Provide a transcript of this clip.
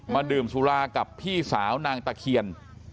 ดื่มสุรากับพี่สาวนางตะเคียน